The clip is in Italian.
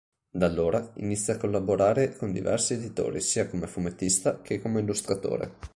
Da allora inizia a collaborare con diversi editori sia come fumettista che come illustratore.